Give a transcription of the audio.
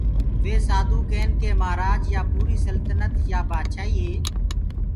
۔ وي سآڌوٚ ڪين ڪي مهآرآج يآ پوٚريٚ سلتنت يآ بآڇآئيٚ هي